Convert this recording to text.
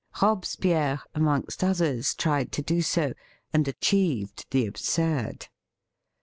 Robe spierre, amongst others, tried to do so, and achieved the absurd.